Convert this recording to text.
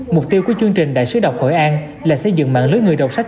mục tiêu của chương trình đại sứ đọc hội an là xây dựng mạng lưới người đọc sách